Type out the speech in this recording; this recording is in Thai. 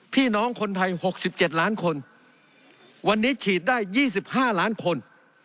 พี่น้องคนไทย๖๗ล้านคนวันนี้ฉีดได้๒๕ล้านคน